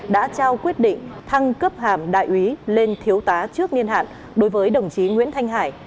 đã trao quyết định thăng cấp hàm đại úy lên thiếu tá trước niên hạn đối với đồng chí nguyễn thanh hải